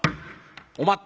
「お待っ